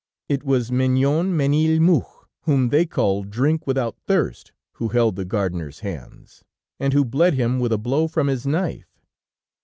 It was Minon Ménilmuche, whom they call Drink without Thirst, who held the gardener's hands, and who bled him with a blow from his knife.'